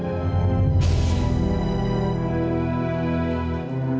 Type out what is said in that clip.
bukan soal itu